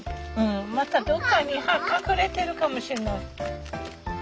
まだどっかに隠れてるかもしれない。